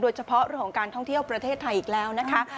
โดยเฉพาะลุงการท่องเที่ยวประเทศไทยอีกแล้วนะคะ